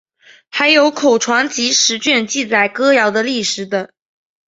还有口传集十卷记载歌谣的历史等。